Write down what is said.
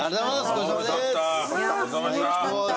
ごちそうさまでした。